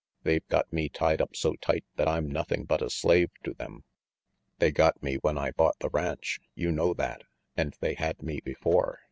They've got me tied up so tight that I'm nothing but a slave to them. They got me when I bought the ranch; you know that; and they had me before.